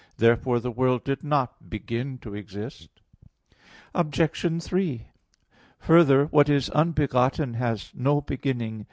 Therefore the world did not begin to exist. Obj. 3: Further, what is unbegotten has no beginning.